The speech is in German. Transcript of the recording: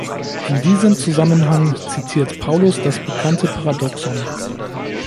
In diesem Zusammenhang zitiert Paulus das bekannte Paradoxon.